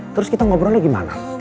terus kita ngobrolnya gimana